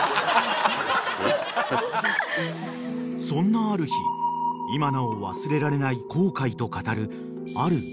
［そんなある日今なお忘れられない後悔と語るある１匹の動物と出合う］